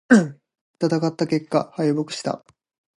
戦った結果、敗北した。